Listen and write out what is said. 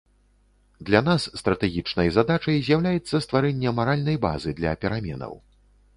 Для нас стратэгічнай задачай з'яўляецца стварэнне маральнай базы для пераменаў.